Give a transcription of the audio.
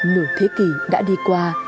nửa thế kỷ đã đi qua